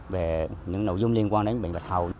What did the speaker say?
về những nội dung liên quan đến bệnh bạch hầu